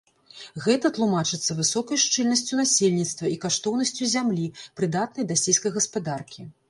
Гэта тлумачыцца высокай шчыльнасцю насельніцтва і каштоўнасцю зямлі, прыдатнай для сельскай гаспадаркі.